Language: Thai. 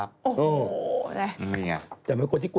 พย่ามไรอ่ะ